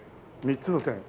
３つの点。